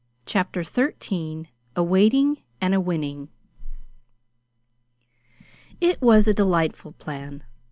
CHAPTER XIII A WAITING AND A WINNING It was a delightful plan.